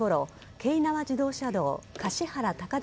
京奈和自動車道橿原高田